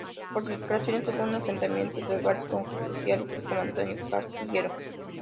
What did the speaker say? Por sus declaraciones tuvo enfrentamientos verbales con justicialistas como Antonio Cafiero.